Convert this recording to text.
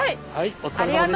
お疲れさまでした。